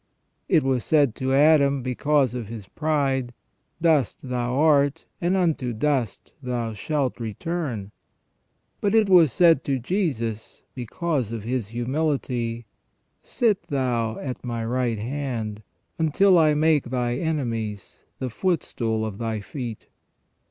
It was said to Adam, because of his pride :" Dust thou art, and unto dust thou shalt return ". But it was said to Jesus, because of His humility :" Sit Thou at My right hand, until I make Thy enemies the footstool of Thy feet